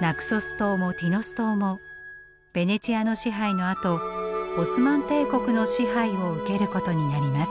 ナクソス島もティノス島もベネチアの支配のあとオスマン帝国の支配を受けることになります。